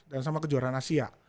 dan sama kejuaraan asia